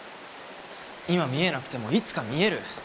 今見えなくてもいつか見える。